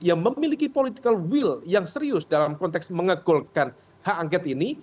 yang memiliki political will yang serius dalam konteks mengegulkan hak angket ini